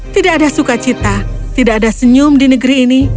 tidak ada sukacita tidak ada senyum di negeri ini